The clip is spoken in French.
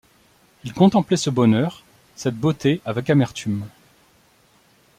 Il contemplait ce bonheur, cette beauté avec amertume.